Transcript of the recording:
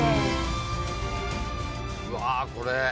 うわこれ。